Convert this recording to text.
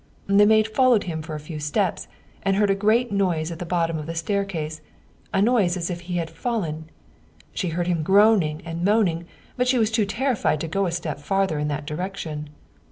The maid followed him for a few steps, and heard a great noise at the bottom of the staircase a noise as if he had fallen. She heard him groaning and moaning, but she was too terrified to go a step farther in that direction.